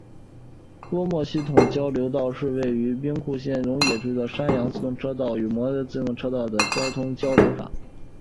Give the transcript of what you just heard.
播磨系统交流道是位于兵库县龙野市的山阳自动车道与播磨自动车道之系统交流道。